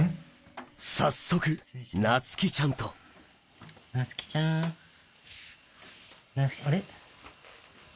早速なつきちゃんとなつきちゃん。あれ？